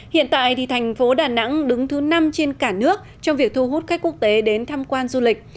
hiện tại thành phố đà nẵng đứng thứ năm trên cả nước trong việc thu hút khách quốc tế đến tham quan du lịch